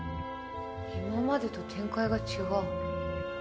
今までと展開が違う。